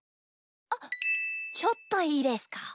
あちょっといいですか？